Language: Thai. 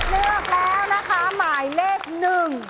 เลือกแล้วนะคะหมายเลขหนึ่ง